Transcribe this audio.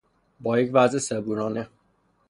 یا یک وضع صبورانه